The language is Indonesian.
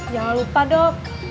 jangan lupa dok